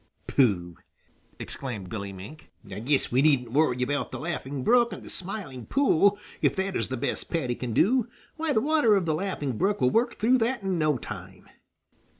"Pooh!" exclaimed Billy Mink, "I guess we needn't worry about the Laughing Brook and the Smiling Pool, if that is the best Paddy can do. Why, the water of the Laughing Brook will work through that in no time."